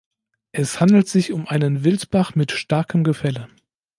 Es handelt sich um einen Wildbach mit starkem Gefälle.